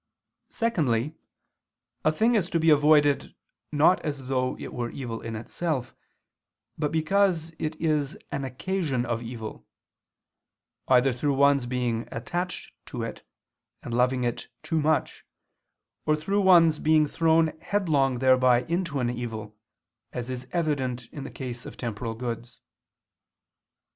Secondly, a thing is to be avoided, not as though it were evil in itself, but because it is an occasion of evil; either through one's being attached to it, and loving it too much, or through one's being thrown headlong thereby into an evil, as is evident in the case of temporal goods.